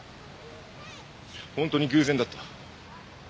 本当に偶然だった。